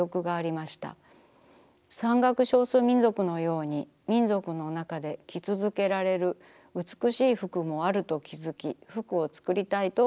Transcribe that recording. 山岳少数民族のように民族のなかで着続けられるうつくしい服もあると気づき服をつくりたいと思うようになりました。